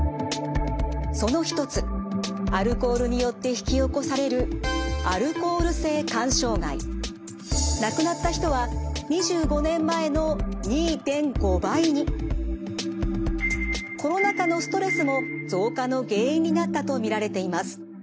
その一つアルコールによって引き起こされるコロナ禍のストレスも増加の原因になったと見られています。